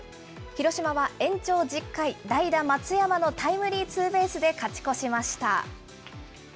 広島は延長１０回、代打、松山のタイムリーツーベースで勝ち越しました。